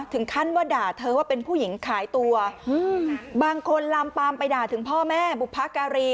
ถึงขั้นว่าด่าเธอว่าเป็นผู้หญิงขายตัวบางคนลามปามไปด่าถึงพ่อแม่บุพการี